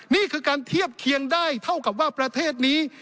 นี่คือการเทียบเคียงได้เท่ากับว่าประเทศนี้